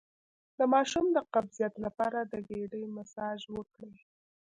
د ماشوم د قبضیت لپاره د ګیډې مساج وکړئ